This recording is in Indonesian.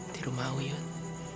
di rumah wiyut